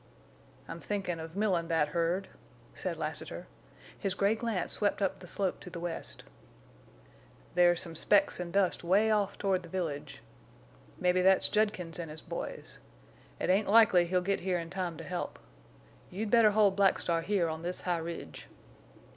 "I'm thinkin' of millin' that herd," said Lassiter. His gray glance swept up the slope to the west. "There's some specks an' dust way off toward the village. Mebbe that's Judkins an' his boys. It ain't likely he'll get here in time to help. You'd better hold Black Star here on this high ridge."